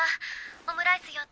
「オムライス４つ。